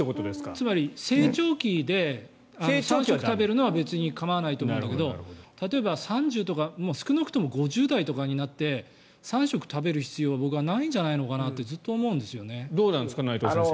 つまり成長期で３食食べるのは構わないと思うんだけど例えば３０とか少なくとも５０代とかになって３食食べる必要は僕、ないんじゃないのかなってどうですか、内藤先生。